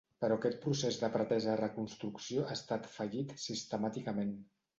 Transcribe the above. Però aquest procés de pretesa reconstrucció ha estat fallit sistemàticament.